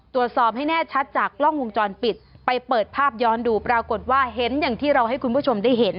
ตรวจสอบให้แน่ชัดจากกล้องวงจรปิดไปเปิดภาพย้อนดูปรากฏว่าเห็นอย่างที่เราให้คุณผู้ชมได้เห็น